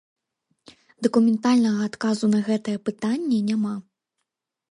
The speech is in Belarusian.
Дакументальнага адказу на гэтае пытанне няма.